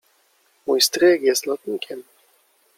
Mój stryjek jest lotnikiem.